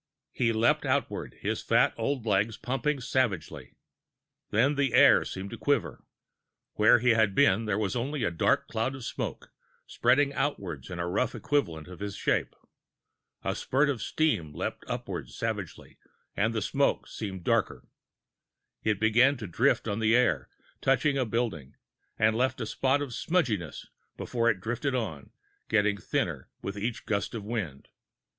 He leaped outwards, his fat old legs pumping savagely. Then the air seemed to quiver. Where he had been, there was only a dark cloud of smoke, spreading outwards in a rough equivalent of his shape. A spurt of steam leaped upwards savagely, and the smoke seemed darker. It began to drift on the air, touched a building, and left a spot of smudginess, before it drifted on, getting thinner with each gust of wind.